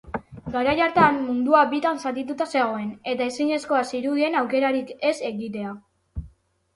Garai hartan mundua bitan zatituta zegoen, eta ezinezkoa zirudien aukerarik ez egitea.